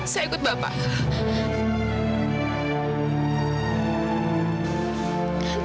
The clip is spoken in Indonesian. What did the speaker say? saya ikut bapak